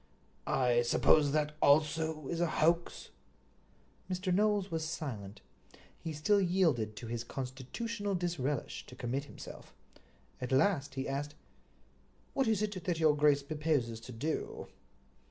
"I suppose that also is a hoax?" Mr. Knowles was silent. He still yielded to his constitutional disrelish to commit himself. At last he asked: "What is it that your grace proposes to do?"